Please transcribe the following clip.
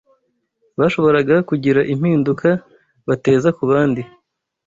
Bashoboraga kugira impinduka bateza ku bandi